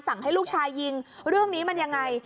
ให้ลูกชายยิงเรื่องนี้มันยังไง